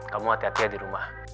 kamu hati hati di rumah